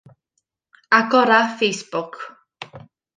Agora Facebook